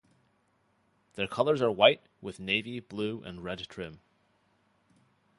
Their colours are white with navy blue and red trim.